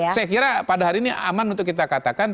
saya kira pada hari ini aman untuk kita katakan